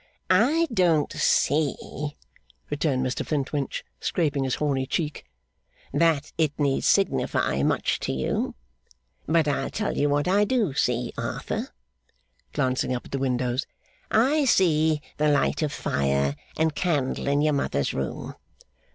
'I don't see,' returned Mr Flintwinch, scraping his horny cheek, 'that it need signify much to you. But I'll tell you what I do see, Arthur,' glancing up at the windows; 'I see the light of fire and candle in your mother's room!